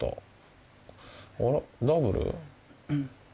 あらダブル？